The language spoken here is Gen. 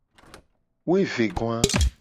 Woevegoa.